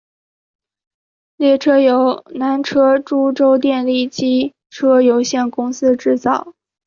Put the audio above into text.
列车由南车株洲电力机车有限公司制造。